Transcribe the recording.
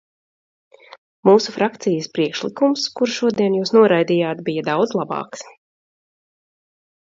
Mūsu frakcijas priekšlikums, kuru šodien jūs noraidījāt, bija daudz labāks.